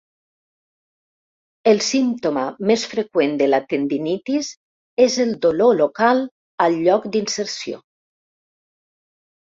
El símptoma més freqüent de la tendinitis és el dolor local al lloc d'inserció.